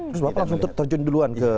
terus bapak langsung terjun duluan ke